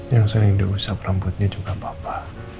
yang sering diusap rambutnya juga papa